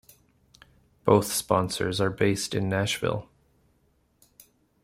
Both sponsors are based in Nashville.